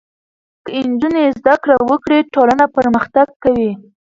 که نجونې زده کړې وکړي ټولنه پرمختګ کوي.